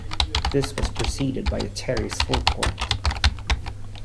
This was preceded by a terraced forecourt.